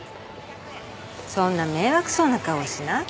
そんな迷惑そうな顔しなくても。